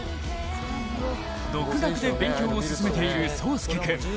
独学で勉強を進めている颯亮君。